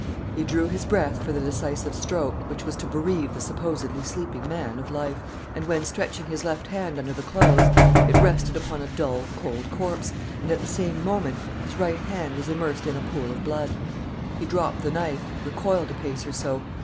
He drew his breath for the decisive stroke, which was to bereave the (supposedly) sleeping man of life, and when stretching his left hand under the clothes, it rested upon a dull, cold corpse, and, at the same moment, his right hand was immersed in a pool of blood. He dropped the knife, recoiled a pace or so.